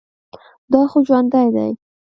دا خو ژوندى دى.